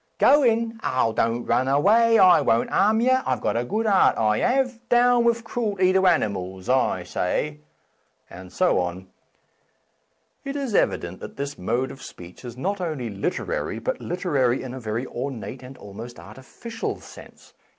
... Goin' ? oh, don't run away : I won't 'arm yer. I've got a good 'art, I 'ave. ...* Down with croolty to animals,' I say,'* A Defence of Slang and so on. It is evident that this mode of speech is not only literary, but literary in a very ornate and almost artificial sense.